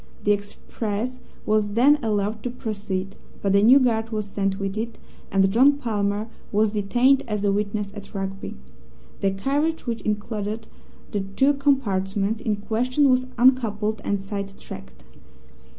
The express was then allowed to proceed, but a new guard was sent with it, and John Palmer was detained as a witness at Rugby. The carriage which included the two compartments in question was uncoupled and side tracked.